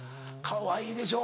かわいいでしょ。